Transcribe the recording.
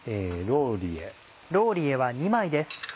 ローリエは２枚です。